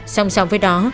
song song với đó